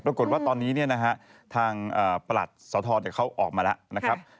ปรากฏว่าตอนนี้ทางประหลัดสาธารณ์เขาออกมาแล้วนะครับ